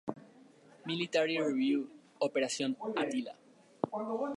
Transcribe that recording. Military Review Operación Atila.